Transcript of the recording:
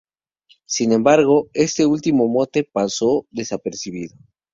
Sin embargo, este último mote paso desapercibido.